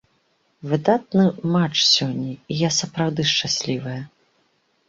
Выдатны матч сёння, і я сапраўды шчаслівая!